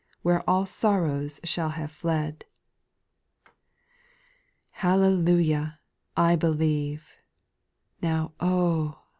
Where all sorrow shall have fled. 5. Hallelujah ! I believe ! Now, oh !